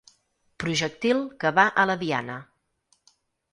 Projectil que va a la diana.